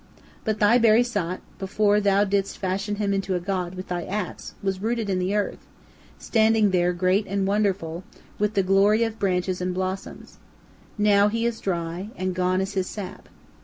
But thy Barisat, before thou didst fashion him into a god with thy axe, was rooted in the earth, standing there great and wonderful, with the glory of branches and blossoms. Now he is dry, and gone is his sap.